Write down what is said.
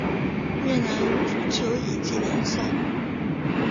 越南足球乙级联赛。